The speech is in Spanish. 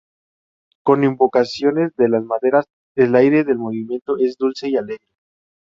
Con invocaciones de las maderas, el aire del movimiento es dulce y alegre.